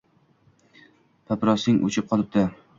Papirosing o‘chib qolibdi.